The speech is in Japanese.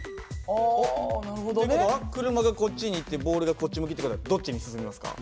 あなるほどね。って事は車がこっちに行ってボールがこっち向きって事はどっちに進みますか？